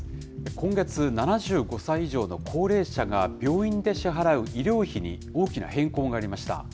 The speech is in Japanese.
今月７５歳以上の高齢者が病院で支払う医療費に大きな変更がありました。